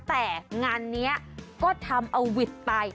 แต่งานนี้ก็ทำเอาวิทย์ไป